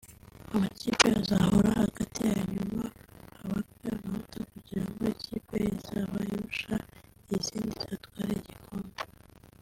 amakipe azahura hagati yayo nyuma habarwe amanota kugira ngo ikipe izaba irusha izindi izatware igikombe